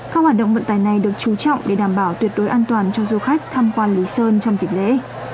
các hoạt động vận tài này được chú trọng để đảm bảo tuyệt đối an toàn cho du khách tham quan lý sơn trong dịp lễ